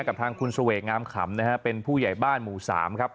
กับทางคุณเสวกงามขำนะฮะเป็นผู้ใหญ่บ้านหมู่สามครับ